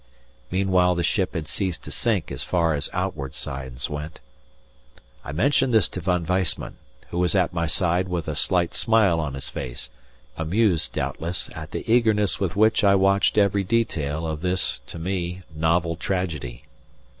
Meanwhile the ship had ceased to sink as far as outward signs went. I mentioned this to Von Weissman, who was at my side with a slight smile on his face, amused doubtless at the eagerness with which I watched every detail of this, to me, novel tragedy.